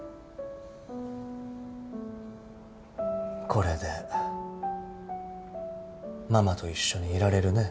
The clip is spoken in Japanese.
これでママと一緒にいられるね。